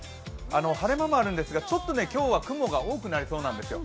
晴れ間もあるんですがちょっと今日は雲が多くなりそうなんですよ。